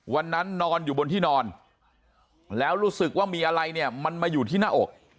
นอนอยู่บนที่นอนแล้วรู้สึกว่ามีอะไรเนี่ยมันมาอยู่ที่หน้าอก